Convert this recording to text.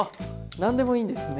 何でもいいんですね。